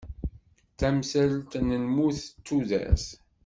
D tamsalt n lmut d tudert.